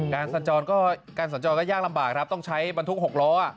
สัญจรก็การสัญจรก็ยากลำบากครับต้องใช้บรรทุก๖ล้อ